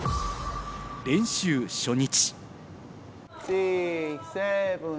練習初日。